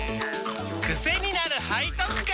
クセになる背徳感！